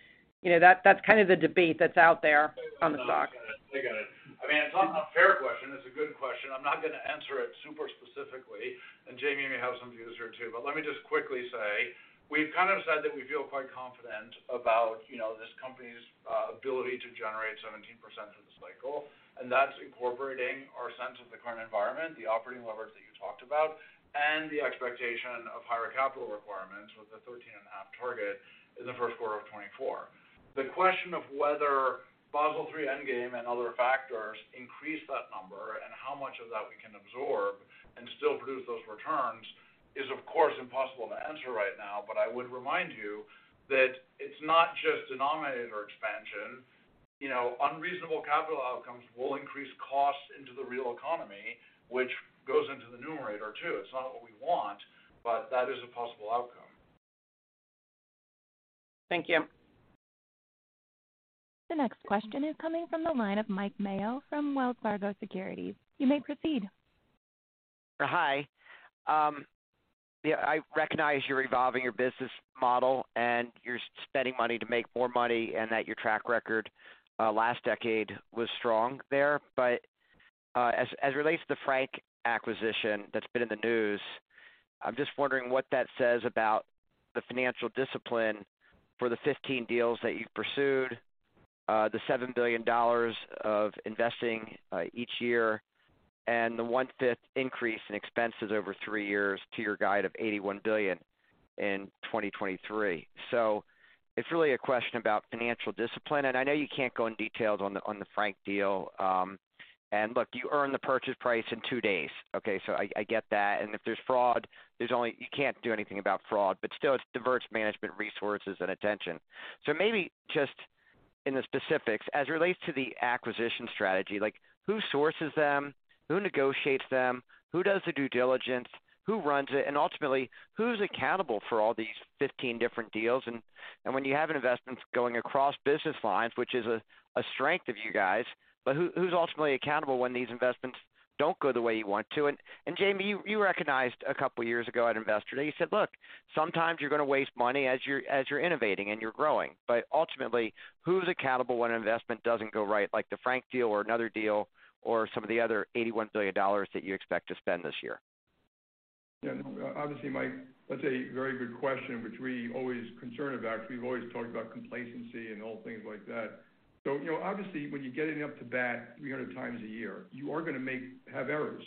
that's kind of the debate that's out there on the stock. I got it. I mean, it's not a fair question. It's a good question. I'm not gonna answer it super specifically, Jamie may have some views here too. Let me just quickly say, we've kind of said that we feel quite confident about, you know, this company's ability to generate 17% through the cycle. That's incorporating our sense of the current environment, the operating leverage that you talked about, and the expectation of higher capital requirements with the 13.5 target in the first quarter of 2024. The question of whether Basel III endgame and other factors increase that number and how much of that we can absorb and still produce those returns is, of course, impossible to answer right now. I would remind you that it's not just denominator expansion. You know, unreasonable capital outcomes will increase costs into the real economy, which goes into the numerator too. It's not what we want, but that is a possible outcome. Thank you. The next question is coming from the line of Mike Mayo from Wells Fargo Securities. You may proceed. Hi. Yeah, I recognize you're evolving your business model, and you're spending money to make more money, and that your track record, last decade was strong there. As it relates to the Frank acquisition that's been in the news, I'm just wondering what that says about the financial discipline for the 15 deals that you've pursued, the $7 billion of investing each year, and the one-fifth increase in expenses over 3 years to your guide of $81 billion in 2023. It's really a question about financial discipline. I know you can't go in details on the Frank deal. Look, you earn the purchase price in two days. Okay, so I get that. If there's fraud, you can't do anything about fraud, but still it diverts management resources and attention. Maybe just in the specifics, as it relates to the acquisition strategy, like, who sources them, who negotiates them, who does the due diligence, who runs it, and ultimately, who's accountable for all these 15 different deals? When you have investments going across business lines, which is a strength of you guys. Who's ultimately accountable when these investments don't go the way you want to? Jamie, you recognized a couple years ago at Investor Day, you said, "Look, sometimes you're gonna waste money as you're innovating and you're growing." Ultimately, who's accountable when an investment doesn't go right, like the Frank deal or another deal or some of the other $81 billion that you expect to spend this year? Yeah. No, obviously, Mike, that's a very good question, which we always concerned about because we've always talked about complacency and all things like that. You know, obviously, when you're getting up to bat 300 times a year, you are gonna have errors.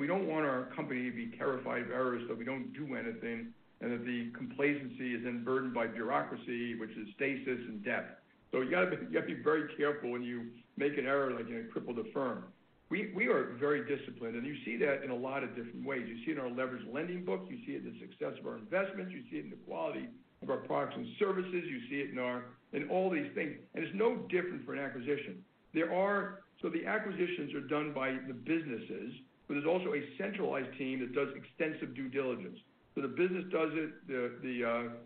We don't want our company to be terrified of errors, so we don't do anything, and that the complacency is then burdened by bureaucracy, which is stasis and debt. You gotta be very careful when you make an error, like, you know, cripple the firm. We are very disciplined, and you see that in a lot of different ways. You see it in our leveraged lending book. You see it in the success of our investments. You see it in the quality of our products and services. You see it in our in all these things. It's no different for an acquisition. The acquisitions are done by the businesses, but there's also a centralized team that does extensive due diligence. The business does it, the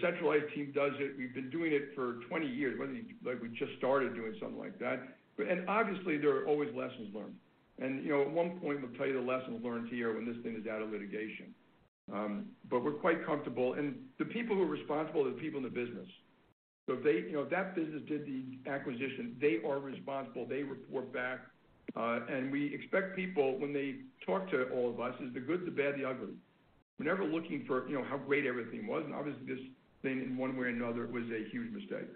centralized team does it. We've been doing it for 20 years, like we just started doing something like that. Obviously there are always lessons learned. You know, at one point, we'll tell you the lesson learned here when this thing is out of litigation. We're quite comfortable. The people who are responsible are the people in the business. They, you know, if that business did the acquisition, they are responsible. They report back, we expect people when they talk to all of us, is the goods, the bad, the ugly. We're never looking for, you know, how great everything was. Obviously this thing in one way or another was a huge mistake.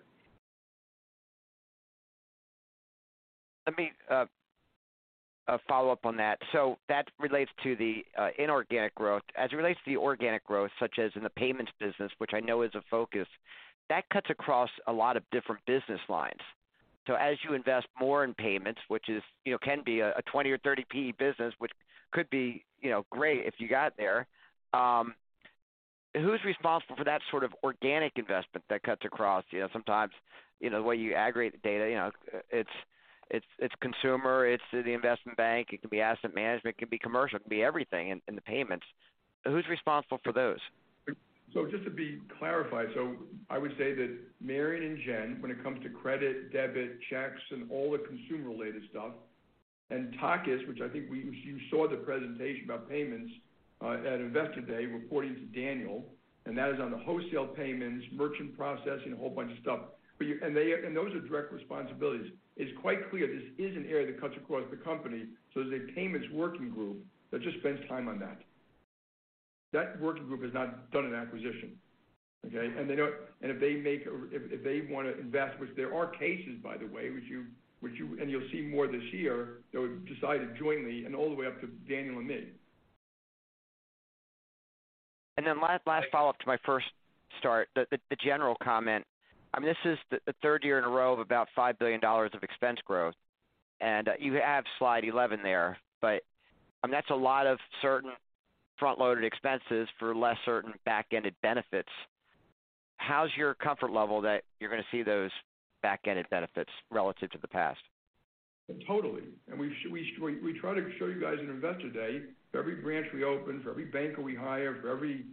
Let me follow up on that. That relates to the inorganic growth. As it relates to the organic growth, such as in the payments business, which I know is a focus, that cuts across a lot of different business lines. As you invest more in payments, which is, you know, can be a 20 or 30 PE business, which could be, you know, great if you got there, who's responsible for that sort of organic investment that cuts across? You know, sometimes, you know, the way you aggregate the data, you know, it's, it's consumer, it's the investment bank, it could be asset management, it could be commercial, it could be everything in the payments. Who's responsible for those? Just to be clarified, I would say that Marianne and Jenn, when it comes to credit, debit, checks, and all the consumer-related stuff, and Takis, which I think you saw the presentation about payments at Investor Day reporting to Daniel, and that is on the wholesale payments, merchant processing, a whole bunch of stuff. Those are direct responsibilities. It's quite clear this is an area that cuts across the company. There's a payments working group that just spends time on that. That working group has not done an acquisition. Okay. If they make or if they wanna invest, which there are cases, by the way, which you and you'll see more this year, they'll decide to join me and all the way up to Daniel and me. Then last follow-up to my first start, the general comment. I mean, this is the third year in a row of about $5 billion of expense growth. You have slide 11 there, but I mean, that's a lot of certain front-loaded expenses for less certain back-ended benefits. How's your comfort level that you're gonna see those back-ended benefits relative to the past? Totally. We try to show you guys in Investor Day for every branch we open, for every banker we hire, for every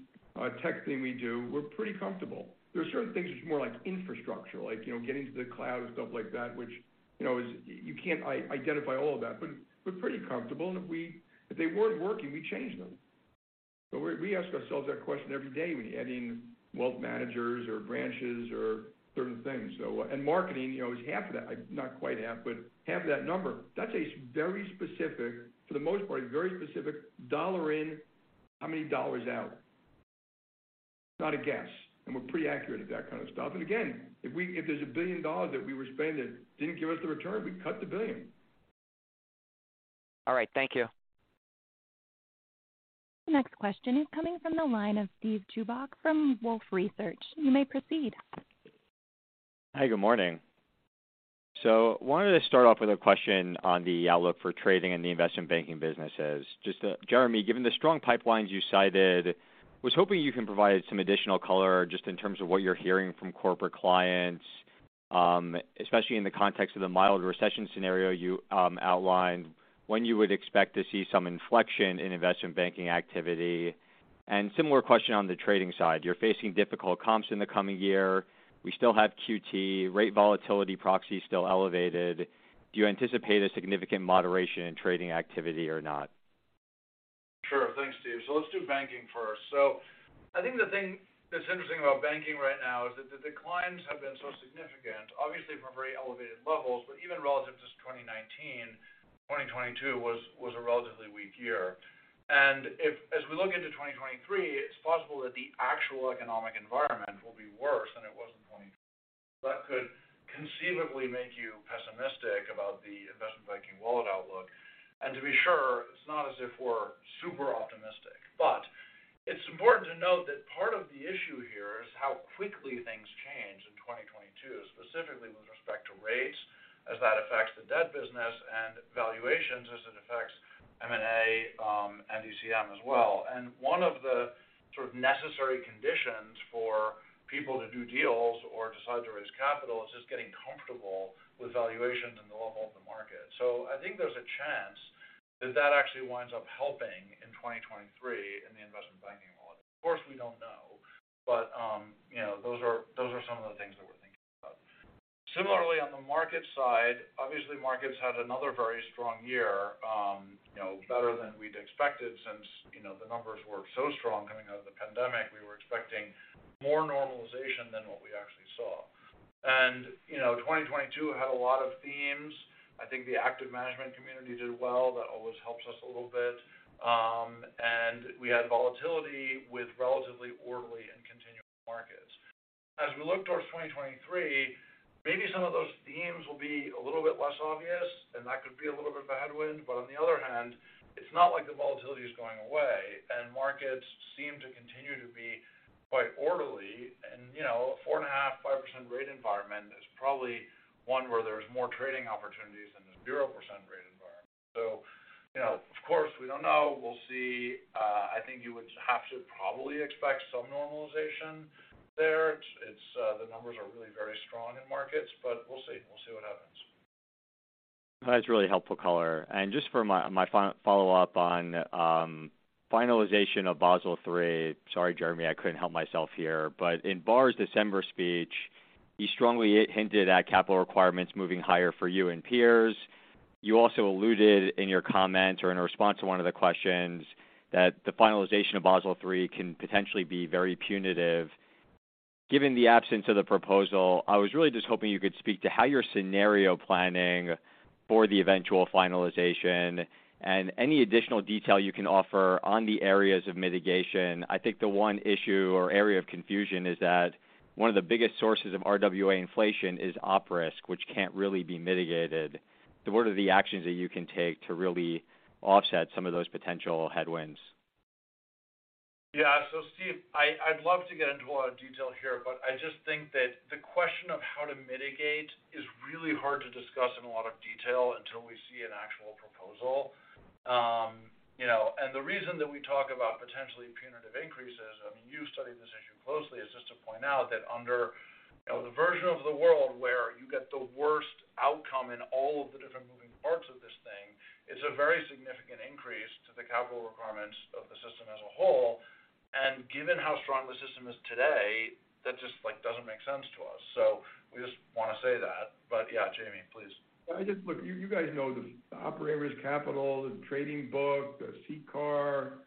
tech thing we do, we're pretty comfortable. There are certain things which are more like infrastructure, like, you know, getting to the cloud and stuff like that, which, you know, you can't identify all of that. We're pretty comfortable, and if they weren't working, we change them. We ask ourselves that question every day when you're adding wealth managers or branches or certain things. Marketing, you know, is half of that. Not quite half, but half of that number. That's a very specific, for the most part, a very specific dollar in, how many dollars out? Not a guess, and we're pretty accurate at that kind of stuff. Again, if there's $1 billion that we were spending didn't give us the return, we cut the billion. All right. Thank you. The next question is coming from the line of Steven Chubak from Wolfe Research. You may proceed. Hi, good morning. Wanted to start off with a question on the outlook for trading and the investment banking businesses. Just Jeremy, given the strong pipelines you cited, was hoping you can provide some additional color just in terms of what you're hearing from corporate clients, especially in the context of the mild recession scenario you outlined, when you would expect to see some inflection in investment banking activity? Similar question on the trading side. You're facing difficult comps in the coming year. We still have QT, rate volatility proxy is still elevated. Do you anticipate a significant moderation in trading activity or not? Sure. Thanks, Steve. Let's do banking first. I think the thing that's interesting about banking right now is that the declines have been so significant, obviously from very elevated levels, but even relative to 2019, 2022 was a relatively weak year. As we look into 2023, it's possible that the actual economic environment will be worse than it was in 2022. That could conceivably make you pessimistic about the investment banking wallet outlook. To be sure, it's not as if we're super optimistic. It's important to note that part of the issue here is how quickly things change in 2022, specifically with respect to rates, as that affects the debt business, and valuations as it affects M&A, and DCM as well. One of the sort of necessary conditions for people to do deals or decide to raise capital is just getting comfortable with valuations and the level of the market. I think there's a chance that that actually winds up helping in 2023 in the investment banking model. Of course, we don't know, but, you know, those are some of the things that we're thinking about. Similarly, on the market side, obviously, markets had another very strong year, you know, better than we'd expected since, you know, the numbers were so strong coming out of the pandemic. We were expecting more normalization than what we actually saw. You know, 2022 had a lot of themes. I think the active management community did well. That always helps us a little bit. We had volatility with relatively orderly and continuing markets. As we look towards 2023, maybe some of those themes will be a little bit less obvious, and that could be a little bit of a headwind. On the other hand, it's not like the volatility is going away, and markets seem to continue to be quite orderly. You know, 4.5%-5% rate environment is probably one where there's more trading opportunities than this 0% rate environment. You know, of course, we don't know. We'll see. I think you would have to probably expect some normalization there. It's the numbers are really very strong in markets, but we'll see. We'll see what happens. That's really helpful color. Just for my fin-follow-up on finalization of Basel III. Sorry, Jeremy, I couldn't help myself here. In Barr's December speech, he strongly hinted at capital requirements moving higher for you and peers. You also alluded in your comment or in response to one of the questions that the finalization of Basel III can potentially be very punitive. Given the absence of the proposal, I was really just hoping you could speak to how you're scenario planning for the eventual finalization and any additional detail you can offer on the areas of mitigation. I think the one issue or area of confusion is that one of the biggest sources of RWA inflation is op risk, which can't really be mitigated. What are the actions that you can take to really offset some of those potential headwinds? Steve, I'd love to get into a lot of detail here, but I just think that the question of how to mitigate is really hard to discuss in a lot of detail until we see an actual proposal. you know, and the reason that we talk about potentially punitive increases, I mean, you studied this issue closely, is just to point out that under, you know, the version of the world where you get the worst outcome in all of the different moving parts of this thing, it's a very significant increase to the capital requirements of the system as a whole. Given how strong the system is today, that just, like, doesn't make sense to us. We just wanna say that. Jamie, please. Look, you guys know the op risk capital, the trading book, the CCAR,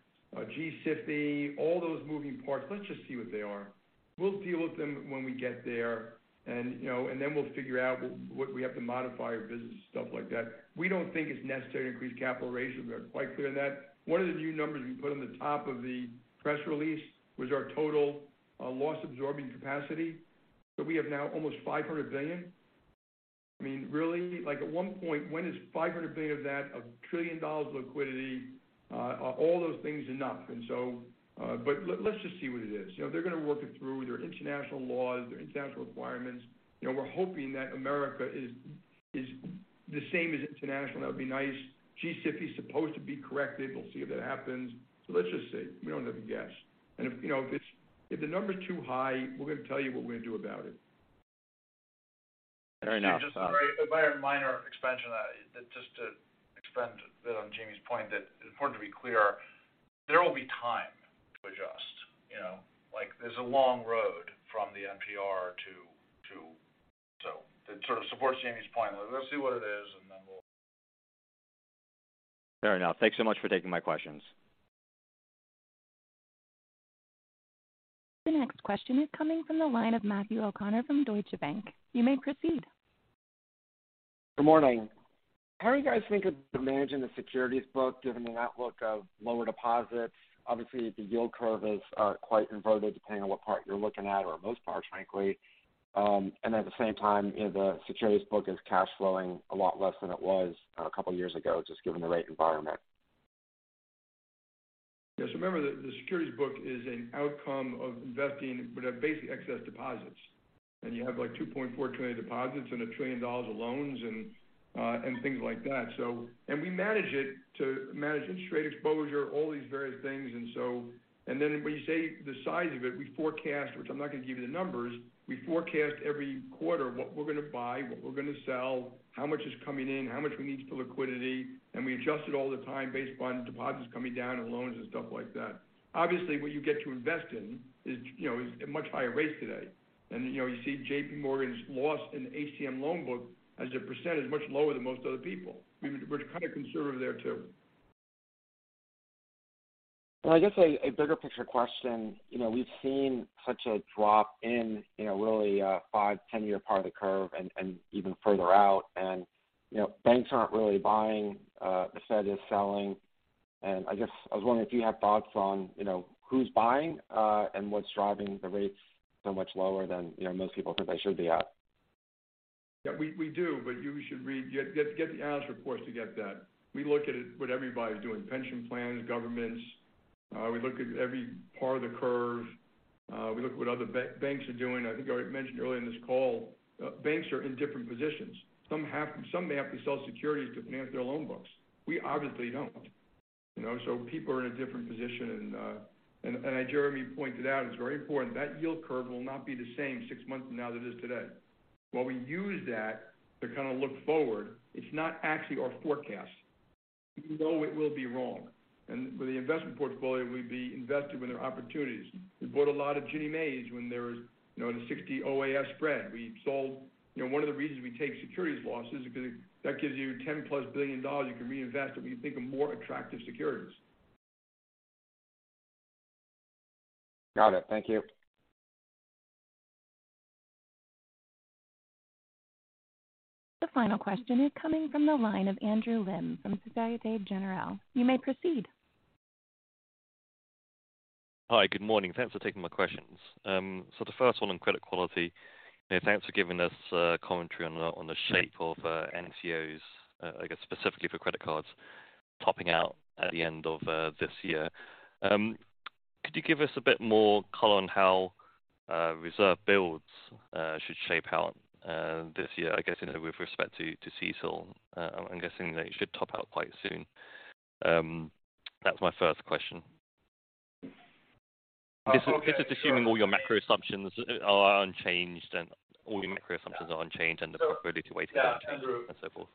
G-SIFI, all those moving parts. Let's just see what they are. We'll deal with them when we get there and, you know, and then we'll figure out what we have to modify our business and stuff like that. We don't think it's necessary to increase capital ratios. We are quite clear on that. One of the new numbers we put on the top of the press release was our total loss-absorbing capacity that we have now almost $500 billion. I mean, really, like at one point, when is $500 billion of that, $1 trillion liquidity, are all those things enough? Let's just see what it is. You know, they're gonna work it through their international laws, their international requirements. You know, we're hoping that America is the same as international. That would be nice. GCAP is supposed to be corrected. We'll see if that happens. Let's just see. We don't have a guess. If, you know, if the number is too high, we're gonna tell you what we're gonna do about it. Fair enough. Just a very minor expansion on that. Just to expand a bit on Jamie's point that it's important to be clear, there will be time to adjust, you know. Like there's a long road from the NPR to. It sort of supports Jamie's point. Let's see what it is, and then we'll. Fair enough. Thanks so much for taking my questions. The next question is coming from the line of Matthew O'Connor from Deutsche Bank. You may proceed. Good morning. How are you guys thinking to managing the securities book, given the outlook of lower deposits? Obviously, the yield curve is quite inverted, depending on what part you're looking at or most parts, frankly. At the same time, you know, the securities book is cash flowing a lot less than it was a couple years ago, just given the rate environment. Yes, remember that the securities book is an outcome of investing, but at basic excess deposits. You have like $2.4 trillion deposits and $1 trillion of loans and things like that. We manage it to manage interest rate exposure, all these various things. Then when you say the size of it, we forecast, which I'm not gonna give you the numbers, we forecast every quarter what we're gonna buy, what we're gonna sell, how much is coming in, how much we need for liquidity. We adjust it all the time based upon deposits coming down and loans and stuff like that. Obviously, what you get to invest in is, you know, is at much higher rates today. You know, you see JP Morgan's loss in the ACM loan book as a % is much lower than most other people. We're, we're kind of conservative there too. I guess a bigger picture question, you know, we've seen such a drop in, you know, really, 5, 10-year part of the curve and even further out, you know, banks aren't really buying, the Fed is selling. I guess I was wondering if you have thoughts on, you know, who's buying, and what's driving the rates so much lower than, you know, most people think they should be at. Yeah, we do, but you should get the analyst reports to get that. We look at it what everybody's doing, pension plans, governments. We look at every part of the curve. We look at what other banks are doing. I think I already mentioned earlier in this call, banks are in different positions. Some may have to sell securities to finance their loan books. We obviously don't. You know, so people are in a different position. Jeremy pointed out, it's very important, that yield curve will not be the same 6 months from now that it is today. While we use that to kind of look forward, it's not actually our forecast. We know it will be wrong. With the investment portfolio, we'd be invested when there are opportunities. We bought a lot of Ginnie Maes when there was, you know, in a 60 OAS spread. You know, one of the reasons we take securities losses because that gives you $10+ billion you can reinvest when you think of more attractive securities. Got it. Thank you. The final question is coming from the line of Andrew Lim from Societe Generale. You may proceed. Hi, good morning. Thanks for taking my questions. The first one on credit quality, thanks for giving us commentary on the shape of NCOs, I guess specifically for credit cards topping out at the end of this year. Could you give us a bit more color on how reserve builds should shape out this year, I guess, you know, with respect to CECL. I'm guessing that it should top out quite soon. That's my first question. Okay, sure. This is assuming all your macro assumptions are unchanged and the probability to weigh different, and so forth. Yeah. Andrew.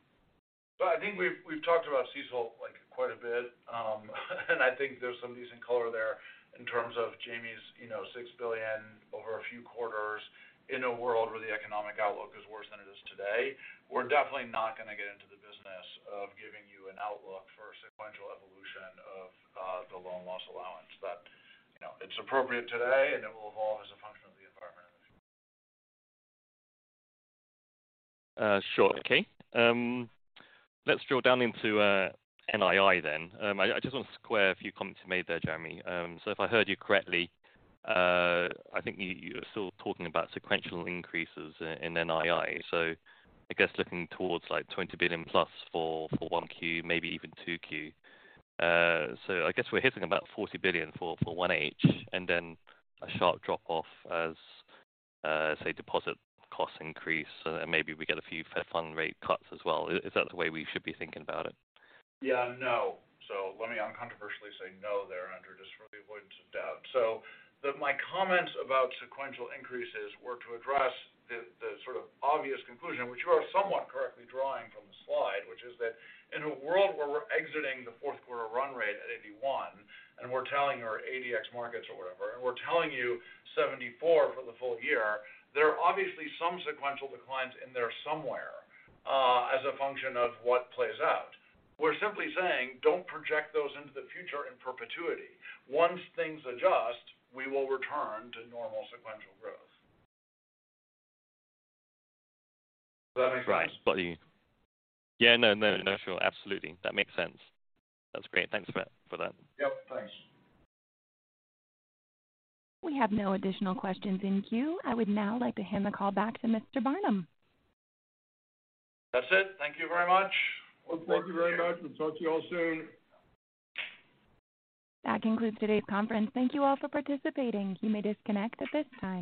Well, I think we've talked about CECL like quite a bit. I think there's some decent color there in terms of Jamie's, you know, $6 billion over a few quarters in a world where the economic outlook is worse than it is today. We're definitely not gonna get into the business of giving you an outlook for a sequential evolution of the loan loss allowance. You know, it's appropriate today, and it will evolve as a function of the environment. Sure. Okay. Let's drill down into NII then. I just want to square a few comments you made there, Jeremy. If I heard you correctly, I think you were still talking about sequential increases in NII. I guess looking towards like $20 billion plus for 1Q, maybe even 2Q. I guess we're hitting about $40 billion for 1H, and then a sharp drop-off as, say, deposit costs increase, and maybe we get a few Fed fund rate cuts as well. Is that the way we should be thinking about it? Yeah, no. Let me uncontroversially say no there, Andrew, just for the avoidance of doubt. My comments about sequential increases were to address the sort of obvious conclusion, which you are somewhat correctly drawing from the slide, which is that in a world where we're exiting the fourth quarter run rate at 81, and we're telling our ADX markets or whatever, and we're telling you 74 for the full year, there are obviously some sequential declines in there somewhere, as a function of what plays out. We're simply saying, don't project those into the future in perpetuity. Once things adjust, we will return to normal sequential growth. Does that make sense? Right. Got you. Yeah. No, no, sure. Absolutely. That makes sense. That's great. Thanks for that. Yep. Thanks. We have no additional questions in queue. I would now like to hand the call back to Mr. Barnum. That's it. Thank you very much. Well, thank you very much. We'll talk to you all soon. That concludes today's conference. Thank you all for participating. You may disconnect at this time.